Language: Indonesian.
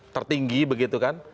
tertinggi begitu kan